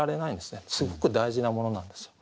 すごく大事なものなんですよ。